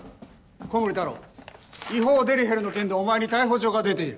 古森太郎違法デリヘルの件でお前に逮捕状が出ている。